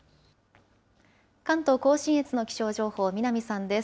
関東甲信越の気象情報、南さんです。